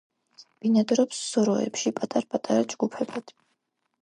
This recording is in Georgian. ბინადრობს სოროებში პატარ-პატარა ჯგუფებად.